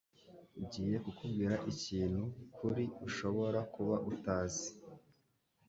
Ngiye kukubwira ikintu kuri ushobora kuba utazi.